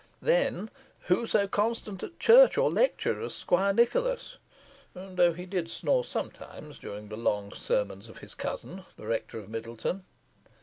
Then, who so constant at church or lecture as Squire Nicholas though he did snore sometimes during the long sermons of his cousin, the Rector of Middleton?